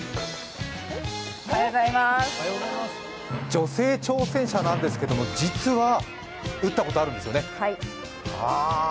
女性挑戦者なんですけども実は打ったことあるんですよね。